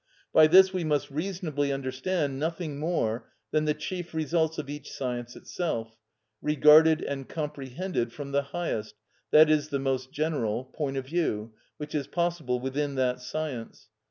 By this we must reasonably understand nothing more than the chief results of each science itself, regarded and comprehended from the highest, that is the most general, point of view which is possible within that science.